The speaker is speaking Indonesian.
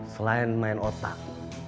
selain main otak